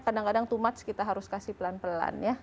kadang kadang to muts kita harus kasih pelan pelan ya